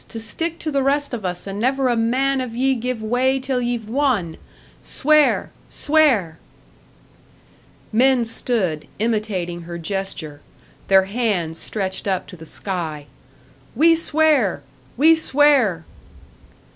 To stick to the rest of us, and never a man of ye give way till ye've won! Swear! Swear!" Men stood, imitating her gesture, their hands stretched up to the sky. "We swear! We swear!"